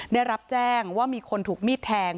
ได้รับแจ้งว่ามีคนถูกมีดแทง